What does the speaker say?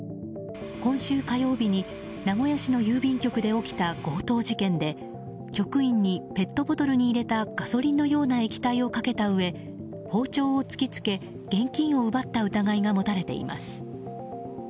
今週火曜日に名古屋市の郵便局で起きた強盗事件で局員に、ペットボトルに入れたガソリンのような液体をかけたうえ包丁を突き付け、現金を奪った疑いが持たれています。